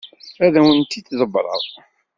Ad awent-t-id-ḍebbreɣ.